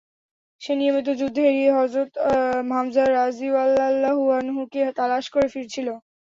সে নিয়মিত যুদ্ধ এড়িয়ে হযরত হামজা রাযিয়াল্লাহু আনহু-কে তালাশ করে ফিরছিল।